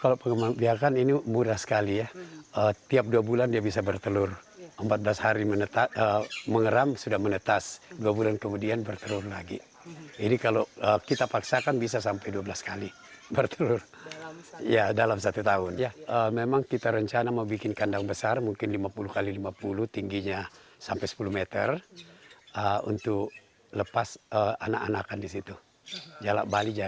untuk lepas anak anakan di situ jelak bali sama jelak nusa